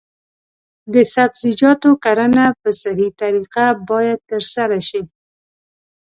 د سبزیجاتو کرنه په صحي طریقه باید ترسره شي.